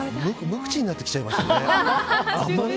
無口になってきちゃいましたね。